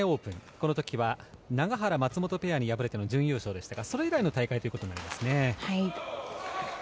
この時は永原、松本ペアに敗れての準優勝でしたがそれ以来の大会となりますね。